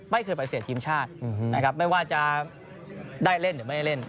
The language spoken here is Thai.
ไม่เคยปฏิเสธทีมชาตินะครับไม่ว่าจะได้เล่นหรือไม่ได้เล่น